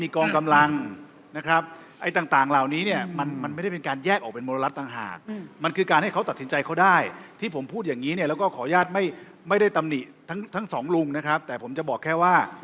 การกระจายอำนาจมันต้องเกิดขึ้นจากคนคิด